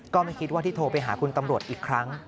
ก็ไม่คิดว่าที่โทรไปหาคุณตำรวจอีกครั้ง